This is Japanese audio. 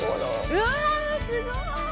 うわ、すごい！